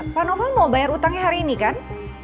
pak novel mau bayar utangnya hari ini kan